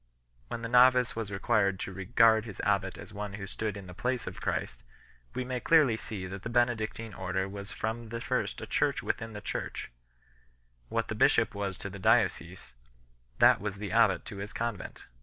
When the novice was required to regard his abbat as one who stood in the place of Christ, we may clearly see that the Bene dictine Order was from the first a Church within the Church ; what the bishop was to the diocese, that was the abbat to his convent.